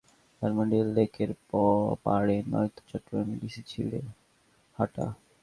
সকালে রমনা পার্কে, নয়তো ধানমন্ডি লেকের পাড়ে, নয়তো চট্টগ্রামের ডিসি হিলে হাঁটা।